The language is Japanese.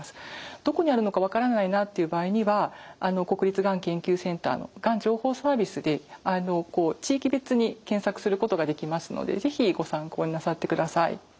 どこにあるのか分からないなっていう場合には国立がん研究センターのがん情報サービスで地域別に検索することができますので是非ご参考になさってください。